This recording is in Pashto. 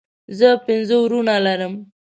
زه پنځه وروڼه لرم